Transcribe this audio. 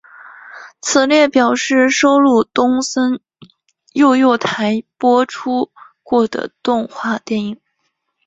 此列表示收录东森幼幼台播出过的动画电影。